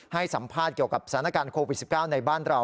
ให้สัมภาษณ์เกี่ยวกับสถานการณ์โควิด๑๙ในบ้านเรา